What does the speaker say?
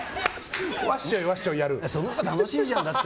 そのほうが楽しいじゃん。